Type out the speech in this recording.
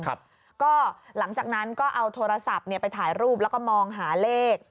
ก็หลังจากนั้นก็เอาโทรศัพท์ไปถ่ายรูปแล้วก็มองหาเลข